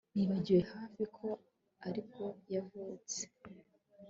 nibagiwe hafi ko aribwo yavutse